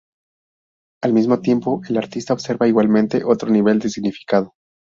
Al mismo tiempo, el artista observa igualmente otro nivel de significado.